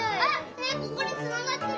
ねえここにつながってる！